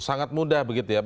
sangat mudah begitu ya